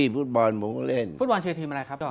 ฟุตบอลเชียร์ทีมอะไรครับตอน